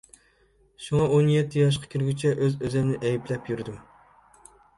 شۇڭا، ئون يەتتە ياشقا كىرگۈچە ئۆز-ئۆزۈمنى ئەيىبلەپ يۈردۈم.